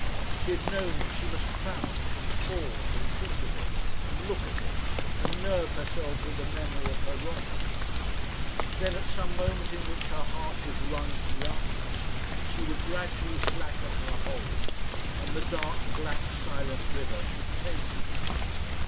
She had known that she must crouch, and pause, and think of it, and look at it, and nerve herself with the memory of her wrongs. Then, at some moment in which her heart was wrung to the utmost, she would gradually slacken her hold, and the dark, black, silent river should take her.